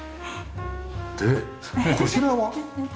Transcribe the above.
でこちらは？